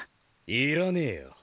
いらねえよ。